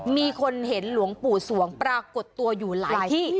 มีคนเห็นหลวงปู่สวงปรากฏตัวอยู่หลายที่